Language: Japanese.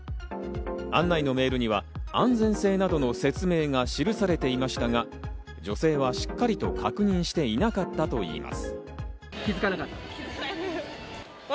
案内のメールには安全性などの説明が記されていましたが、女性はしっかりと確認していなかったといいます。